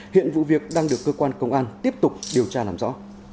hiện vụ việc đang được cơ quan công an tiếp tục điều tra làm rõ